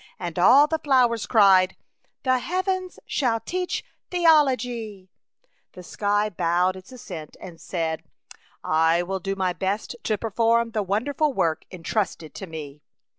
And all the flowers cried, —" The heavens shall teach theology I " 54 ^ Chautauqua Idyl. The sky bowed its assent and said, '' I will do my best to perform the wonderful work entrusted to me."